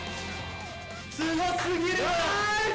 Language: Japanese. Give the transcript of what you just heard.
すごすぎる！